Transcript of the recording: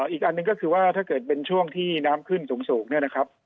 อีกอันหนึ่งก็คือว่าถ้าเกิดเป็นช่วงที่น้ำขึ้นสูงเนี่ยนะครับ